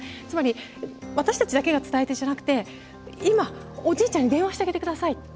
つまり私たちだけが伝え手じゃなくて「今おじいちゃんに電話してあげて下さい。